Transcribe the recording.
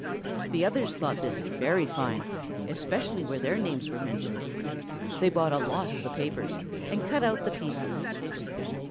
The others thought this very fine, especially where their names were mentioned. They bought a lot of the papers, and cut out the pieces.